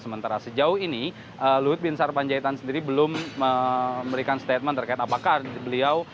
sementara sejauh ini luhut bin sarpanjaitan sendiri belum memberikan statement terkait apakah beliau